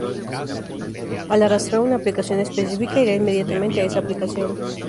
Al arrastrar una aplicación específica, irá inmediatamente a esa aplicación.